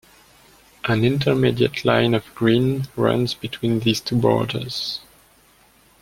An intermediate line of green runs between these two borders.